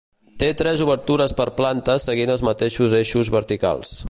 Té tres obertures per planta seguint els mateixos eixos verticals.